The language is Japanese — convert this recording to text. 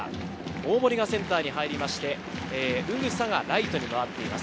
大盛がセンターに入りまして、宇草がライトに回っています。